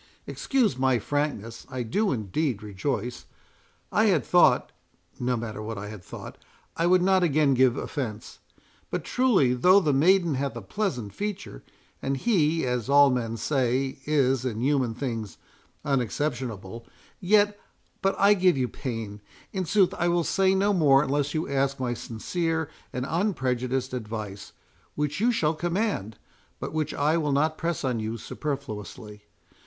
"Excuse my frankness—I do indeed rejoice; I had thought—no matter what I had thought; I would not again give offence. But truly though the maiden hath a pleasant feature, and he, as all men say, is in human things unexceptionable, yet—but I give you pain—in sooth, I will say no more unless you ask my sincere and unprejudiced advice, which you shall command, but which I will not press on you superfluously.